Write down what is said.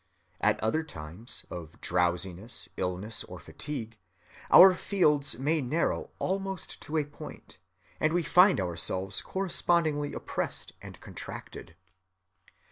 At other times, of drowsiness, illness, or fatigue, our fields may narrow almost to a point, and we find ourselves correspondingly oppressed and contracted.